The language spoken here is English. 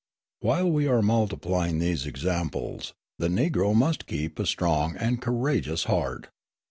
While we are multiplying these examples, the Negro must keep a strong and courageous heart.